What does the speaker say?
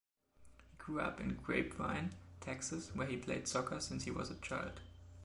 He grew up in Grapevine, Texas, where he played soccer since he was a child.